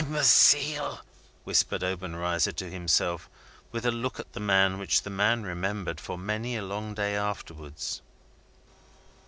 "Imbecile!" whispered Obenreizer to himself, with a look at the man which the man remembered for many a long day afterwards.